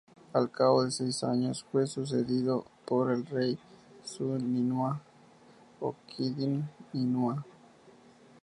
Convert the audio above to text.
Al cabo de seis años, fue sucedido por el rey Šu-Ninua o Kidin-Ninua.